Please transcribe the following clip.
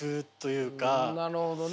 なるほどね。